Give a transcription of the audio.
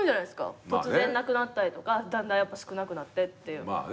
突然なくなったりとかだんだん少なくなってっていう。